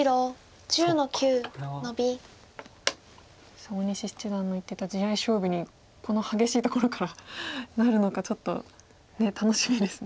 さあ大西七段の言ってた地合い勝負にこの激しいところからなるのかちょっと楽しみですね。